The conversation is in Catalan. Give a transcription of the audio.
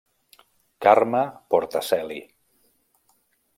Carme Portaceli.